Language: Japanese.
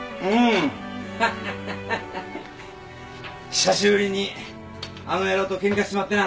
久しぶりにアノヤローとケンカしちまってな。